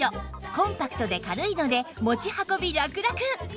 コンパクトで軽いので持ち運びラクラク！